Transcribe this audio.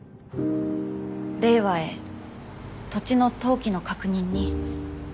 令和へ土地の登記の確認に。